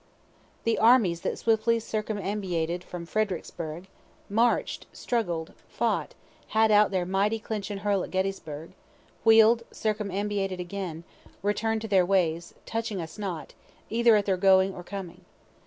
The armies that swiftly circumambiated from Fredericksburgh march'd, struggled, fought, had out their mighty clinch and hurl at Gettysburg wheel'd, circumambiated again, return'd to their ways, touching us not, either at their going or coming.